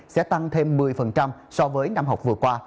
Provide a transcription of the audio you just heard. sẽ tăng thêm một mươi so với năm học vừa qua